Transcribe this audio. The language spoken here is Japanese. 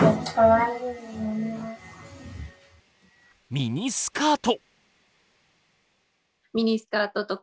ミニスカート。